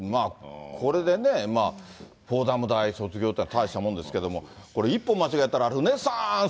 これでね、フォーダム大卒業っていうのは大したもんですけれども、これ一歩間違えたら、ルネッサーンス！